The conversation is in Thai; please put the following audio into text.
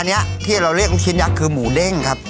อันนี้ที่เราเรียกลูกชิ้นยักษ์คือหมูเด้งครับ